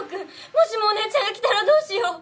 もしもお姉ちゃんが来たらどうしよう。